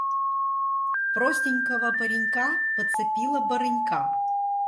Простенького паренька подцепила барынька.